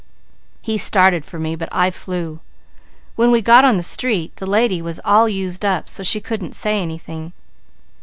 "He started for me, but I flew. When we got on the street, the lady was all used up so she couldn't say anything.